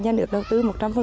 nhà nước đầu tư một trăm linh